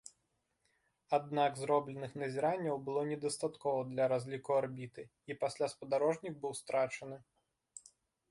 Аднак зробленых назіранняў было недастаткова для разліку арбіты, і пасля спадарожнік быў страчаны.